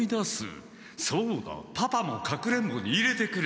そうだパパも隠れんぼに入れてくれ。